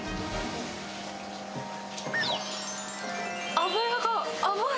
脂が甘い。